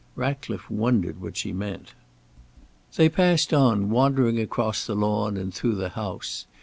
Ratcliffe wondered what she meant. They passed on, wandering across the lawn, and through the house.